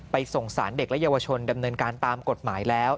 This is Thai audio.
ส่งสารเด็กและเยาวชนดำเนินการตามกฎหมายแล้ว